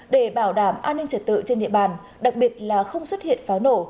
để bảo đảm an ninh trật tự trên địa bàn đặc biệt là không xuất hiện pháo nổ